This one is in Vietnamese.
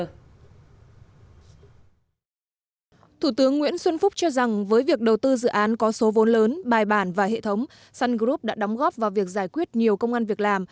thủ tướng nguyễn xuân phúc cho rằng với việc đầu tư dự án có số vốn lớn bài bản và hệ thống sun group đã đóng góp vào việc giải quyết nhiều công an việc làm